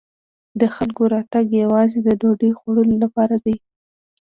د خلکو راتګ یوازې د ډوډۍ خوړلو لپاره دی.